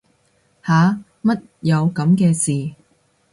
吓乜有噉嘅事